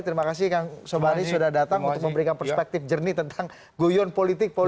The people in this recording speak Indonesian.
terima kasih kang sobari sudah datang untuk memberikan perspektif jernih tentang guyon politik politik